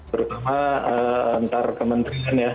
terutama antar kementerian ya